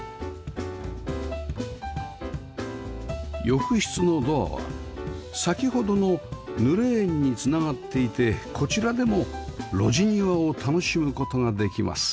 浴室のドアは先ほどの濡れ縁に繋がっていてこちらでも路地庭を楽しむ事ができます